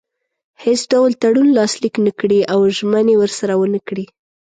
هیڅ ډول تړون لاسلیک نه کړي او ژمنې ورسره ونه کړي.